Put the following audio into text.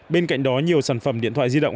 bên cạnh đó nhiều sản phẩm điện thoại di động